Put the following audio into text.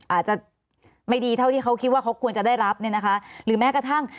อาจจะไม่ดีเท่าที่เขาคิดว่าเขาควรจะได้รับเนี่ยนะคะหรือแม้กระทั่ง